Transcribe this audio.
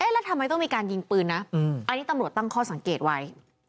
แล้วทำไมต้องมีการยิงปืนนะอันนี้ตำรวจตั้งข้อสังเกตไว้